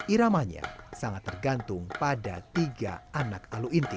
iramanya sangat tergantung pada tiga anak alu inti